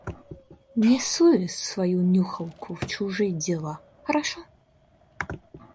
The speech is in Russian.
Не суй свою нюхалку в чужие дела, хорошо?